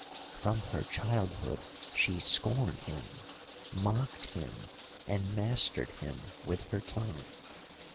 From her childhood she scorned him, mocked him, and mastered him with her tongue.